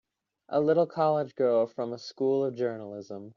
A little college girl from a School of Journalism!